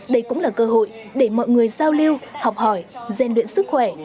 đây cũng là cơ hội để mọi người giao lưu học hỏi gian luyện sức khỏe